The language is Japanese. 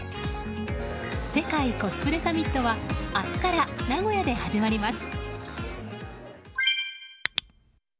世界コスプレサミットは明日から名古屋で始まります。